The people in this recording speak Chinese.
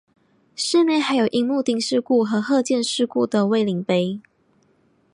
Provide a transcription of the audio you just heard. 寺内还有樱木町事故和鹤见事故的慰灵碑。